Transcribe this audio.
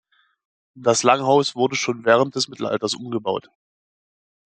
Das Langhaus wurde schon während des Mittelalters umgebaut.